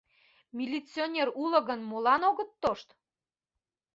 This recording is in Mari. Милиционер уло гын, молан огыт тошт?